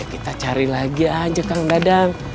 kita cari lagi aja kang dadang